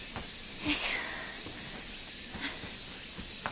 よいしょ。